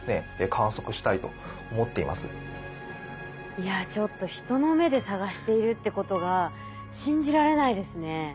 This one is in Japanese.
いやちょっと人の目で探しているってことが信じられないですね。